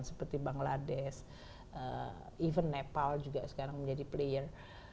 seperti bangladesh even nepal juga sekarang menjadi player